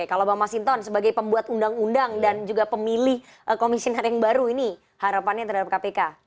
jadi undang undang dan juga pemilih komisi yang baru ini harapannya terhadap kpk